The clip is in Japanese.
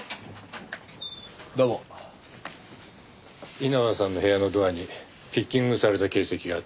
稲葉さんの部屋のドアにピッキングされた形跡があった。